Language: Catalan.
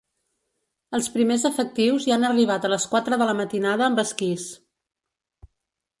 Els primers efectius hi han arribat a les quatre de la matinada amb esquís.